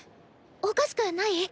おかしくない！？